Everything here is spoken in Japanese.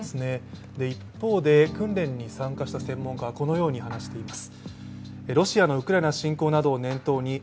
一方で、訓練に参加した専門家はこのように話しています。